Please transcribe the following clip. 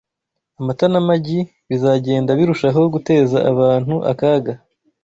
amata n’amagi bizagenda birushaho guteza abantu akaga